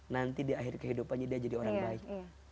nanti di akhir kehidupannya dia jadi orang baik